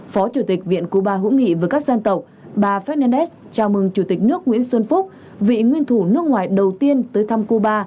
phó chủ tịch viện cuba hữu nghị với các dân tộc bà fernanez chào mừng chủ tịch nước nguyễn xuân phúc vị nguyên thủ nước ngoài đầu tiên tới thăm cuba